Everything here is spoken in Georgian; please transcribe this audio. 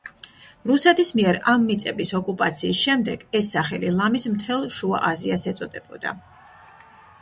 რუსეთის მიერ ამ მიწების ოკუპაციის შემდეგ ეს სახელი ლამის მთელ შუა აზიას ეწოდებოდა.